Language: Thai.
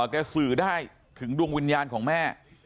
สื่อได้ถึงดวงวิญญาณของแม่